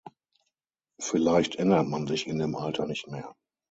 Vielleicht ändert man sich in dem Alter nicht mehr.